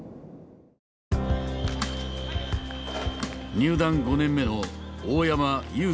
入団５年目の大山悠輔選手。